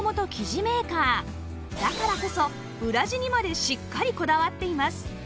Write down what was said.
だからこそ裏地にまでしっかりこだわっています